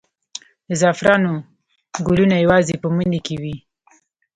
د زعفرانو ګلونه یوازې په مني کې وي؟